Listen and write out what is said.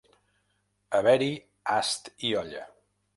Haver-hi ast i olla.